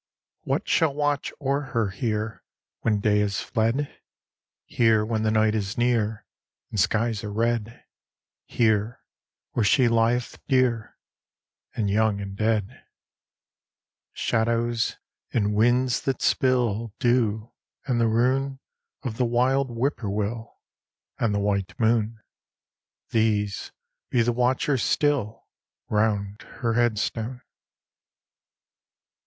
What shall watch o'er her here When day is fled? Here when the night is near And skies are red; Here where she lieth dear And young and dead. Shadows, and winds that spill Dew; and the rune Of the wild whippoorwill; And the white moon; These be the watchers still Round her headstone.